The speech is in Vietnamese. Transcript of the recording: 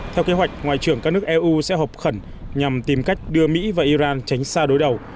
theo kế hoạch ngoại trưởng các nước eu sẽ hợp khẩn nhằm tìm cách đưa mỹ và iran tránh xa đối đầu